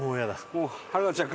もう春菜ちゃん